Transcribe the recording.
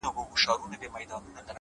پر بای مي لود خپل سر! دین و ایمان مبارک!